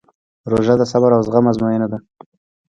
روژه د صبر او زغم ازموینه ده.